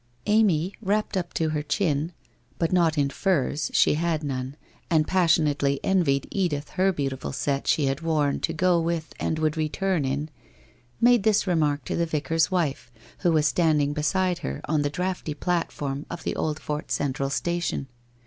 ' Amy wrapped up to her chin — but not in furs, she had none, and passionately envied Edith her beautiful set she had worn to go with and would return in — made this re mark to the Vicar's wife, who was standing beside her on the draughty platform of the Oldfort Central Station.